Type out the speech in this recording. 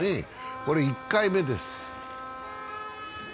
これ１回目です。